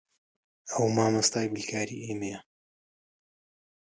ئەو مامۆستای بیرکاریی ئێمەیە.